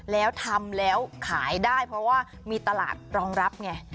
แล้วทำแล้วขายได้เพราะว่ามีตลาดรองรับไง